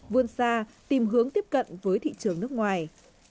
vươn xa tìm hướng tiếp cận với thị trường nước ngoài